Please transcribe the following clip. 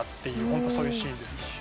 本当そういうシーンですね。